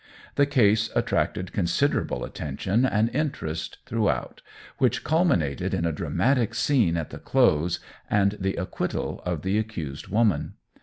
The case attracted considerable attention and interest throughout, which culminated in a dramatic scene at the close, and the acquittal of the accused woman.